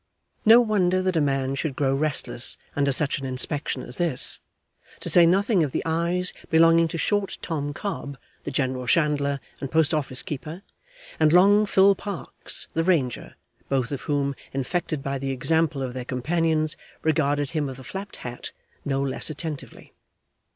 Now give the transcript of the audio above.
No wonder that a man should grow restless under such an inspection as this, to say nothing of the eyes belonging to short Tom Cobb the general chandler and post office keeper, and long Phil Parkes the ranger, both of whom, infected by the example of their companions, regarded him of the flapped hat no less attentively.